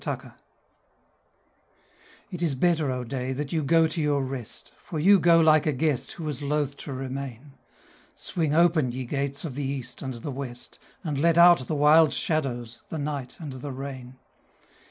Sunset It is better, O day, that you go to your rest, For you go like a guest who was loth to remain! Swing open, ye gates of the east and the west, And let out the wild shadows the night and the rain.